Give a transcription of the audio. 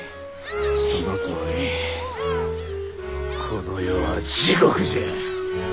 そのとおりこの世は地獄じゃ！